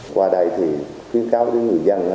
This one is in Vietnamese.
qua đây thì khuyến cáo đến người dân